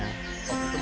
masih ada dendam